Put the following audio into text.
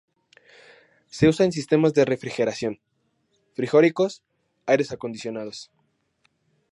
Se usa en sistemas de refrigeración: frigoríficos, aires acondicionados.